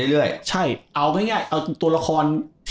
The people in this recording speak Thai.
เอาก็ง่ายเอาตัวละคร